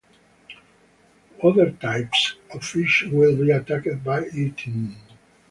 Other types of fish will be attacked and eaten.